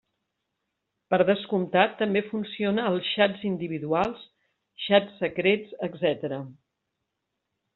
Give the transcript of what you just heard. Per descomptat, també funciona als xats individuals, xats secrets, etc.